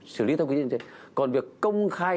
xử lý theo quy định còn việc công khai